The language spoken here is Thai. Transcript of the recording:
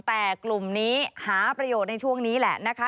แต่กลุ่มนี้หาประโยชน์ในช่วงนี้แหละนะคะ